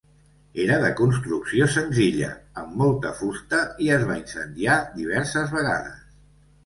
Era de construcció senzilla, amb molta fusta, i es va incendiar diverses vegades.